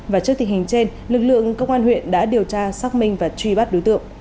và trước tình hình trên lực lượng công an huyện đã điều tra xác minh và truy bắt đối tượng